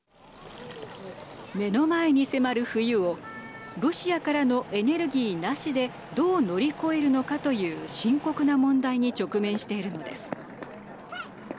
目の前に迫る冬をロシアからのエネルギーなしでどう乗り越えるのかという深刻な問題に直面しているのです。